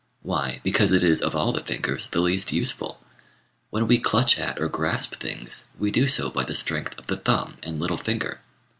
Why, because it is of all the fingers the least useful. When we clutch at or grasp things, we do so by the strength of the thumb and little finger.